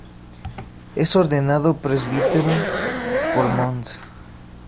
Es Ordenado presbítero por Mons.